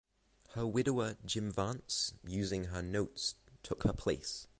Her widower, Jim Vance, using her notes, took her place.